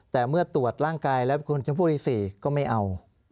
แต่เมื่อตรวจร่างกายแล้วคุณชมพู่ที่๔ก็ไม่เอา